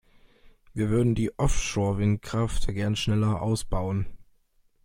Wir würden die Offshore-Windkraft gerne schneller ausbauen.